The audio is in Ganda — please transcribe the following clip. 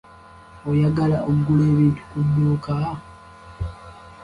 Oyagala okugula ebintu ku dduuka?